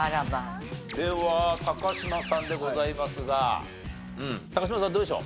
では嶋さんでございますが嶋さんどうでしょう？